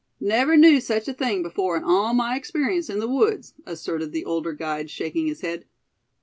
"Never knew such a thing before in all my experience in woods," asserted the older guide, shaking his head.